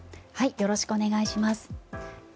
よろしくお願いします。